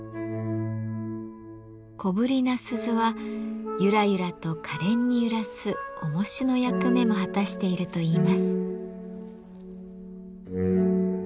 小ぶりな鈴はゆらゆらとかれんに揺らすおもしの役目も果たしているといいます。